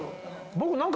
僕何か。